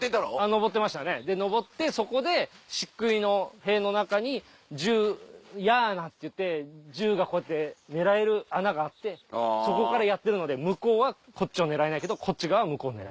上ってましたね上ってそこでしっくいの塀の中に銃矢穴っていって銃がこうやって狙える穴があってそこからやってるので向こうはこっちを狙えないけどこっち側は向こうを狙える。